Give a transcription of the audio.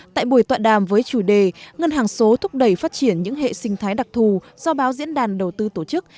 tại buổi tọa đàm với chủ đề ngân hàng số thúc đẩy phát triển những hệ sinh thái đặc thù do báo diễn đàn đầu tư tổ chức